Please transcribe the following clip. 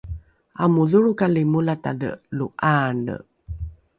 amodholrokali molatadhe lo ’aane?